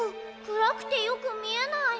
くらくてよくみえない。